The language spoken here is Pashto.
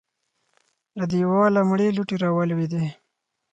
له دېواله مړې لوټې راولوېدې.